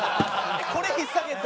これ引っさげて？